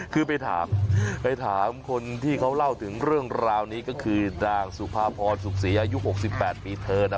คือไปถามไปถามคนที่เขาเล่าถึงเรื่องราวนี้ก็คือนางสุภาพรสุขศรีอายุ๖๘ปีเธอนะ